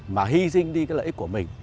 mà hy sinh đi cái lợi ích của mình